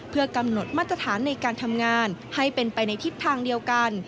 เพื่อกำหนดมาตรฐานในการทำงานให้เป็นไปในทิศทางเดียวกัน